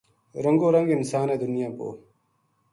رنگو رنگ انسان ہے دنیا پو‘‘